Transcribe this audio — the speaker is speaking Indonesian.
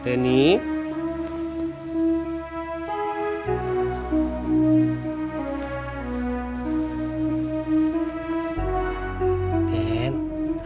udah waktunya shalat subuh